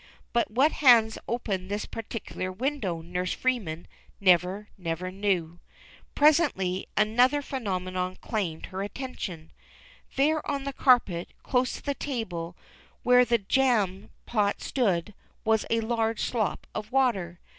But what hands opened this particular window Nurse Freeman never, never knew ! Presently another phenomenon claimed her attention, ''here on the carpet, close to the table where tlie jam 346 THE CHILDREN'S WONDER BOOK. pot stoodj was a large slop of water.